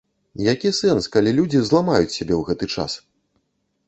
Які сэнс, калі людзі зламаюць сябе ў гэты час?!